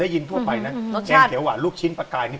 มันต้องมีเนอะสามรสใช่ไหมเนอะ